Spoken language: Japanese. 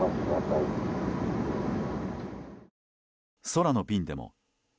空の便でも。